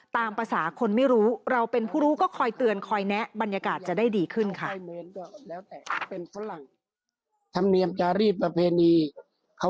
ตามภาษาคนไม่รู้เราเป็นผู้รู้ก็คอยเตือนคอยแนะบรรยากาศจะได้ดีขึ้นค่ะ